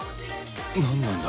なんなんだ？